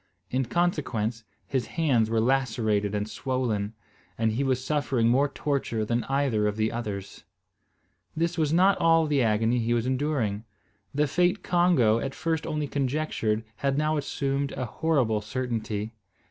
In consequence, his hands were lacerated and swollen, and he was suffering more torture than either of the others. This was not all the agony he was enduring. The fate Congo at first only conjectured had now assumed a horrible certainty.